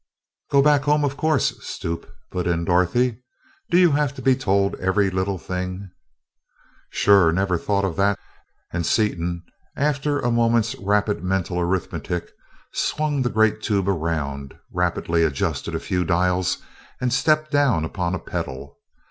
"Go back home, of course, stupe," put in Dorothy, "do you have to be told every little thing?" "Sure never thought of that," and Seaton, after a moment's rapid mental arithmetic, swung the great tube around, rapidly adjusted a few dials, and stepped down upon a pedal.